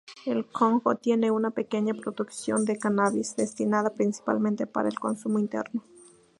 El Congo tiene una pequeña producción de cannabis, destinada principalmente para el consumo interno.